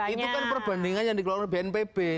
itu kan perbandingan yang dikeluarkan bnpb